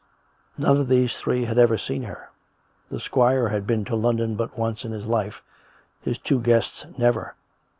None of these three had ever seen her; the squire had been to London but once in his life, his two guests never.